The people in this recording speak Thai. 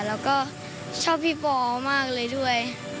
แล้วก็ชอบพี่ปอมากเลยด้วย